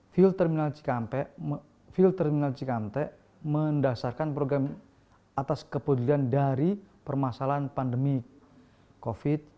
fuel terminal cikampek mendasarkan program atas kepulauan dari permasalahan pandemi covid sembilan belas